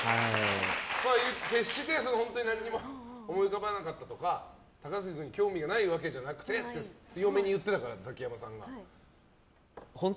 決して何も思い浮かばなかったとか高杉君に興味ないわけじゃなくてって強めに言ってたからザキヤマさんが。